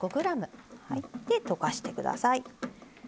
で溶かしてください。